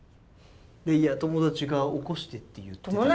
「いや友達が起こしてって言ってたから」。